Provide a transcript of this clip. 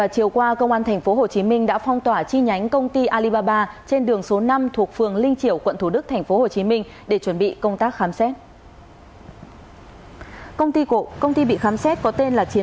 các bạn hãy đăng ký kênh để ủng hộ kênh của chúng mình nhé